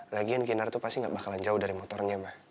lagian kinar tuh pasti nggak bakalan jauh dari motornya ma